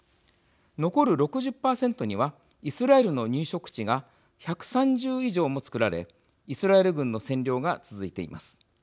残る６０％にはイスラエルの入植地が１３０以上もつくられイスラエル軍の占領が続いています。